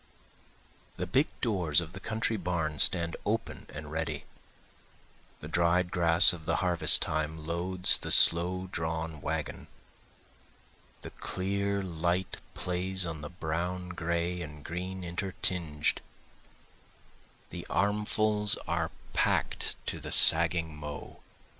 9 The big doors of the country barn stand open and ready, The dried grass of the harvest time loads the slow drawn wagon, The clear light plays on the brown gray and green intertinged, The armfuls are pack'd to the sagging mow.